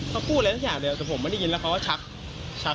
เขาพูดอะไรสักอย่างเดียวแต่ผมไม่ได้ยินแล้วเขาก็ชักชัก